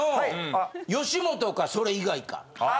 あ吉本かそれ以外か。